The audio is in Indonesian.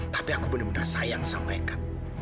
tapi aku benar benar sayang sama eka